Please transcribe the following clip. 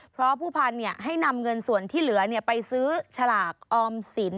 เพราะผู้พันธุ์ให้นำเงินส่วนที่เหลือไปซื้อฉลากออมสิน